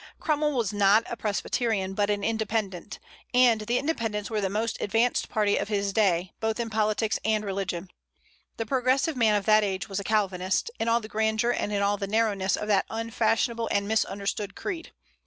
Cromwell was not a Presbyterian, but an Independent; and the Independents were the most advanced party of his day, both in politics and religion. The progressive man of that age was a Calvinist, in all the grandeur and in all the narrowness of that unfashionable and misunderstood creed.